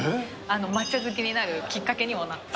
抹茶好きになるきっかけにもなった。